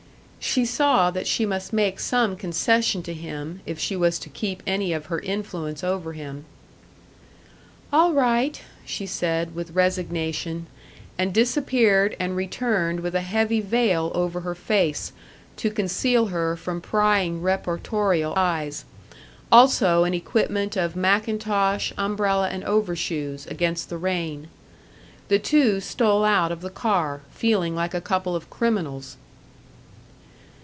She saw that she must make some concession to him, if she was to keep any of her influence over him. "All right," she said, with resignation, and disappeared and returned with a heavy veil over her face, to conceal her from prying reportorial eyes; also an equipment of mackintosh, umbrella and overshoes, against the rain. The two stole out of the car, feeling like a couple of criminals.